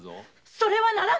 それはならぬ‼